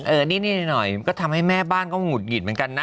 นิดหน่อยมันก็ทำให้แม่บ้านก็หงุดหงิดเหมือนกันนะ